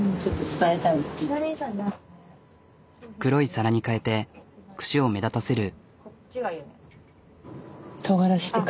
黒い皿に変えて串を目立たせる。